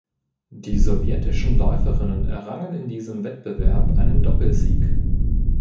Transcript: Die sowjetischen Läuferinnen errangen in diesem Wettbewerb einen Doppelsieg.